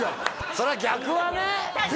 そりゃ逆はね